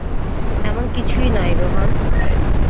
এমন কিছুই নয়, রোহান।